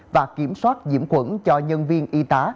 và kiểm soát nhiễm khuẩn cho nhân viên y tá